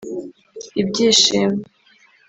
ibyishimo